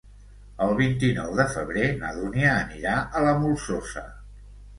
El vint-i-nou de febrer na Dúnia anirà a la Molsosa.